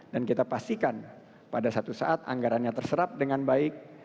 dan kita pastikan pada satu saat anggarannya terserap dengan baik